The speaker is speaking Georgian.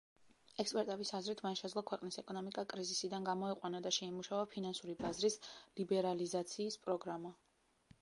ექსპერტების აზრით, მან შეძლო ქვეყნის ეკონომიკა კრიზისიდან გამოეყვანა და შეიმუშავა ფინანსური ბაზრის ლიბერალიზაციის პროგრამა.